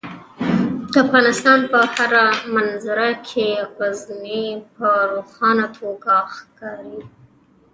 د افغانستان په هره منظره کې غزني په روښانه توګه ښکاري.